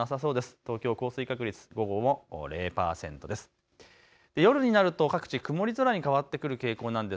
東京、降水確率、午後も０％です。